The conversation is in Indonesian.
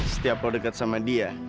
setiap lo dekat sama dia